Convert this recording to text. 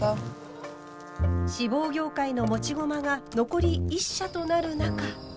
志望業界の持ち駒が残り１社となる中。